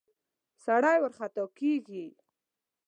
سړی ورخطا کېږي.